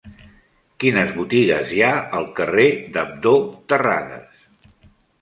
Quines botigues hi ha al carrer d'Abdó Terradas?